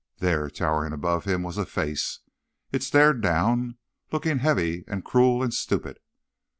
There, towering above him, was a face. It stared down, looking heavy and cruel and stupid.